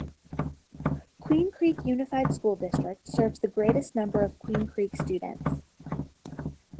Queen Creek Unified School District serves the greatest number of Queen Creek students.